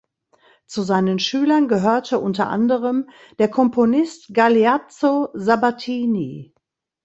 Zu seinen Schülern gehörte unter anderem der Komponist Galeazzo Sabbatini.